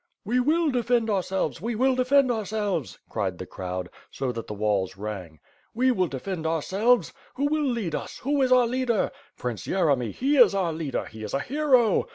"We will defend ourselves! We will defend ourselves!" cried the crowd, so that the walls rang. "We will defend our selves! Who will lead us, who is our leader? Prince Yeremy — ^he is our leader, he is a hero!